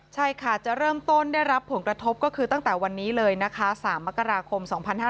ใช่ค่ะจะเริ่มต้นได้รับผลกระทบก็คือตั้งแต่วันนี้เลยนะคะ๓มกราคม๒๕๕๙